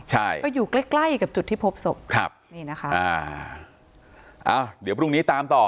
ใช่ก็อยู่ใกล้ใกล้กับจุดที่พบศพครับนี่นะคะอ่าอ้าวเดี๋ยวพรุ่งนี้ตามต่อ